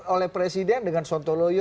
oleh presiden dengan son toloyo